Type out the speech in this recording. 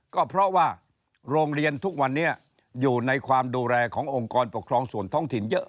ก็เพราะว่าโรงเรียนทุกวันนี้อยู่ในความดูแลขององค์กรปกครองส่วนท้องถิ่นเยอะ